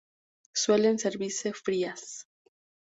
Suelen servirse frías.